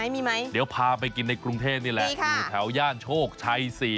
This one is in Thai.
มีไหมเดี๋ยวพาไปกินในกรุงเทพนี่แหละอยู่แถวย่านโชคชัย๔